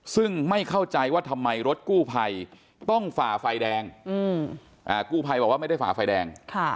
ซึ่งไม่เข้าใจว่าทำไมรถกู้ภัยต้องฝ่าไฟแดงกู้ภัยบอกว่าไม่ได้ฝ่าไฟแดง